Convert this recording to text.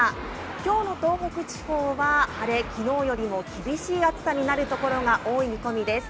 今日の東北地方は晴れ、昨日よりも厳しい暑さになるところがある見込みです。